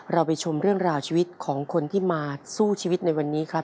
เราไปชมเรื่องราวชีวิตของคนที่มาสู้ชีวิตในวันนี้ครับ